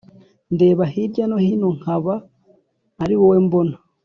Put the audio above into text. ndeba hirya hino nkaba ari wowe mbona